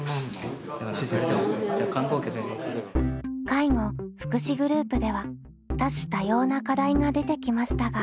介護・福祉グループでは多種多様な課題が出てきましたが。